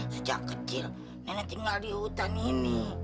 sejak kecil nenek tinggal di hutan ini